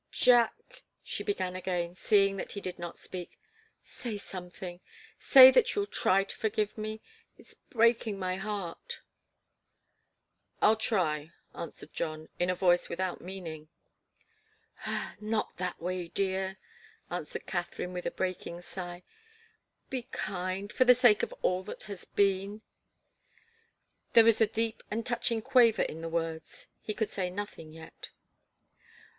"Jack," she began again, seeing that he did not speak, "say something say that you'll try to forgive me. It's breaking my heart." "I'll try," answered John, in a voice without meaning. "Ah not that way, dear!" answered Katharine, with a breaking sigh. "Be kind for the sake of all that has been!" There was a deep and touching quaver in the words. He could say nothing yet.